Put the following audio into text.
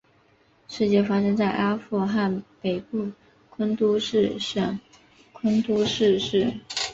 事件发生在阿富汗北部昆都士省昆都士市。